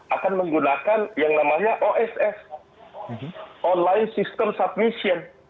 akan menggunakan yang namanya oss online system submission